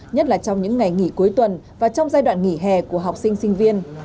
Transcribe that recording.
nhất là trong những ngày nghỉ cuối tuần và trong giai đoạn nghỉ hè của học sinh sinh viên